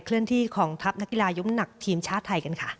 เลื่อนที่ของทัพนักกีฬายุ้มหนักทีมชาติไทยกันค่ะ